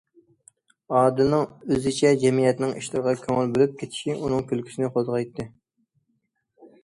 ئادىلنىڭ ئۆزىچە جەمئىيەتنىڭ ئىشلىرىغا كۆڭۈل بۆلۈپ كېتىشى ئۇنىڭ كۈلكىسىنى قوزغايتتى.